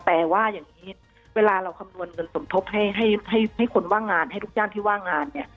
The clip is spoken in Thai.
แต่ว่าอย่างนี้เวลาเราคำนวณเงินสมทบให้คนว่างงานให้ทุกย่านที่ว่างงานเนี่ย